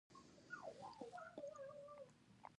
هغې د یادونه تر سیوري لاندې د مینې کتاب ولوست.